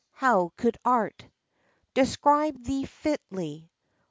— How could art Describe thee fitly?